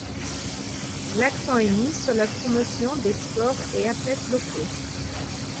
L'accent est mis sur la promotion des sports et athlètes locaux.